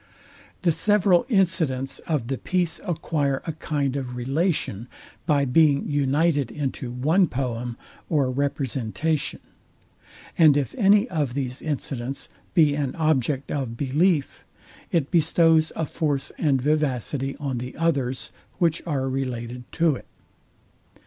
The several incidents of the piece acquire a kind of relation by being united into one poem or representation; and if any of these incidents be an object of belief, it bestows a force and vivacity on the others, which are related to it.